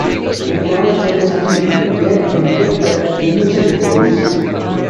It never changes key, yet you get the illusion it does.